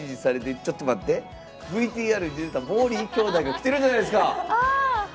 ちょっと待ってＶＴＲに出てたもーりー兄弟が来てるじゃないですか！